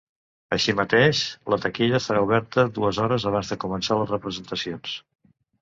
Així mateix, la taquilla estarà oberta dues hores abans de començar les representacions.